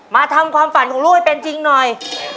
มาทำความฝันของลูกให้เป็นจริงหน่อย